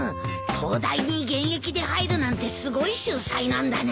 東大に現役で入るなんてすごい秀才なんだね。